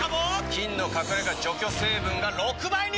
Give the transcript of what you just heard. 菌の隠れ家除去成分が６倍に！